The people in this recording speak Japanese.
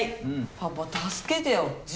パパ助けてよ塾